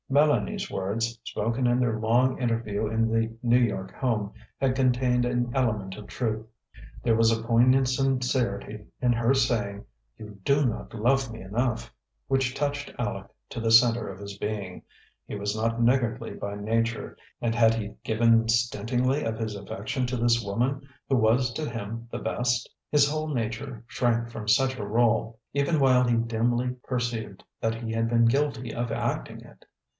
Mélanie's words, spoken in their long interview in the New York home, had contained an element of truth. There was a poignant sincerity in her saying, "You do not love me enough," which touched Aleck to the center of his being. He was not niggardly by nature; and had he given stintingly of his affection to this woman who was to him the best? His whole nature shrank from such a role, even while he dimly perceived that he had been guilty of acting it.